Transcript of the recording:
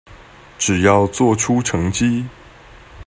只要做出成績